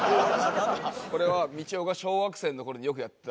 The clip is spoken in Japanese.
これはみちおが小学生の頃によくやってたポーズですね。